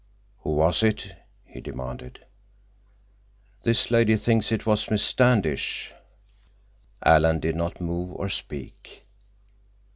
"Who was it?" he demanded. "This lady thinks it was Miss Standish." Alan did not move or speak.